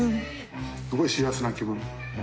すごい幸せな気分。